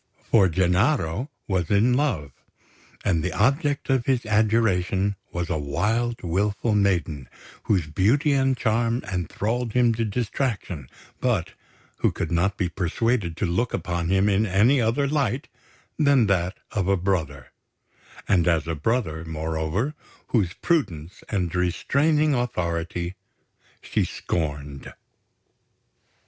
For Gennaro was in love; and the object of his adoration was a wild, wilful maiden, whose beauty and charm enthralled him to distraction, but who could not be persuaded to look upon him in any other light than that of a brother and as a brother, moreover, whose prudence and restraining authority she scorned.